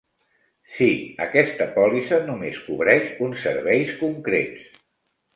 Sí, aquesta pòlissa només cobreix uns serveis concrets.